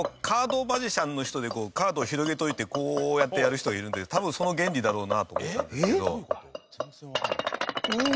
カードマジシャンの人でカードを広げておいてこうやってやる人がいるんで多分その原理だろうなと思ったんですけど。